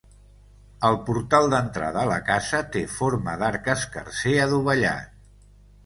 El portal d'entrada a la casa té forma d'arc escarser adovellat.